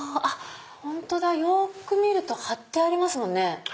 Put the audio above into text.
本当だよく見ると貼ってありますもんね。